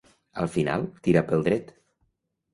Al final, tira pel dret.